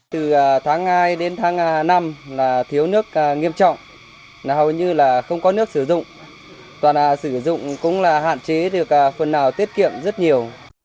từ tháng hai đến tháng năm là thiếu nước nghiêm trọng hầu như là không có nước sử dụng toàn sử dụng cũng là hạn chế được phần nào tiết kiệm rất nhiều